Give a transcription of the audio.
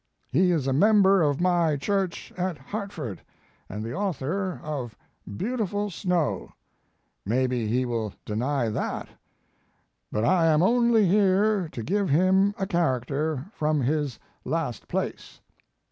He is a member of my church at Hartford, and the author of 'Beautiful Snow.' Maybe he will deny that. But I am only here to give him a character from his last place.